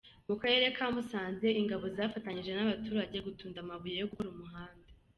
Mu karere ka Musanze ingabo zafatanyije n’abaturage gutunda amabuye yo gukora umuhanda.